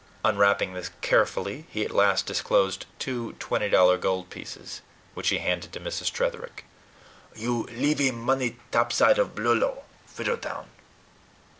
Unwrapping this carefully, he at last disclosed two twenty dollar gold pieces, which he handed to Mrs. Tretherick. "You leavee money topside of blulow, Fiddletown.